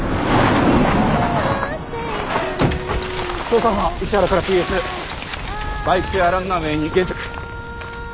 捜査班市原からＰＳバイク屋ランナウェイに現着。